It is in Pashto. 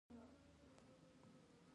دا خبره د قران او سنت څخه ښکاره معلوميږي